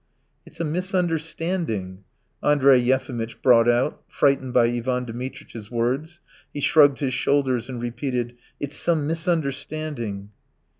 "It's a misunderstanding ..." Andrey Yefimitch brought out, frightened by Ivan Dmitritch's words; he shrugged his shoulders and repeated: "It's some misunderstanding."